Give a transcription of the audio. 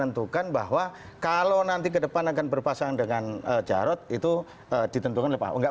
jadi itu ditentukan bahwa kalau nanti ke depan akan berpasangan dengan jarot itu ditentukan oleh pak ahok